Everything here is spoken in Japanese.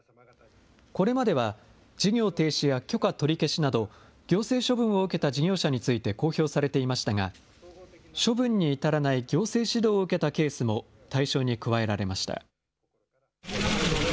これまでは、事業停止や許可取り消しなど、行政処分を受けた事業者について公表されていましたが、処分に至らない行政指導を受けたケースも対象に加えられました。